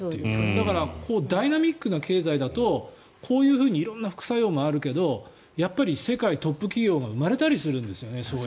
だからダイナミックな経済だとこういうふうに色んな副作用があるけどやっぱり世界トップ企業が生まれたりするんですよね。